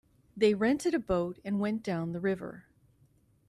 They rented a boat and went down the river.